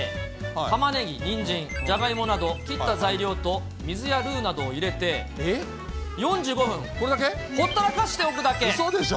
玉ねぎ、にんじん、じゃがいもなど、切った材料と水やルーなどを入れて４５分、ほったらかしておくだうそでしょ。